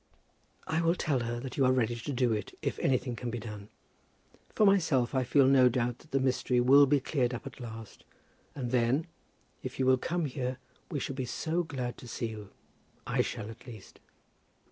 "I will tell her that you are ready to do it, if anything can be done. For myself I feel no doubt that the mystery will be cleared up at last; and then, if you will come here, we shall be so glad to see you. I shall, at least."